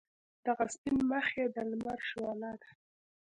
دغه سپین مخ یې د لمر شعله ده.